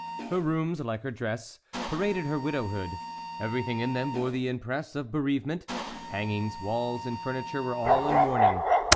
Her rooms, like her dress, paraded her widowhood. Everything in them bore the impress of bereavement: hangings, walls, and furniture were all in mourning.